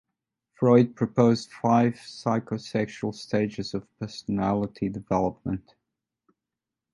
Freud proposed five psychosexual stages of personality development.